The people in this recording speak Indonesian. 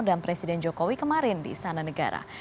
dan presiden jokowi kemarin di istana negara